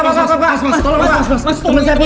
temen saya penjagaan ini